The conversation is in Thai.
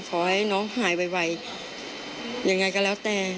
ขอให้น้องหายไวยังไงก็แล้วแต่